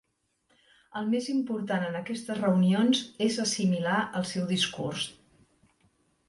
El més important en aquestes reunions és assimilar el seu discurs.